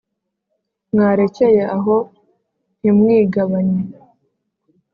Mwarecyeye aho ntimwigabanye